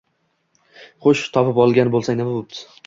Xo`sh, topib olgan bo`lsang nima bo`pti